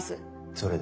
それで？